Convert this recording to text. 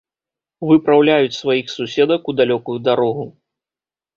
Выпраўляюць сваіх суседак у далёкую дарогу.